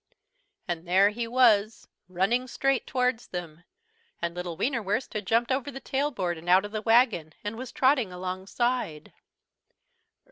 And there he was running straight towards them, and little Wienerwurst had jumped over the tailboard and out of the wagon, and was trotting alongside.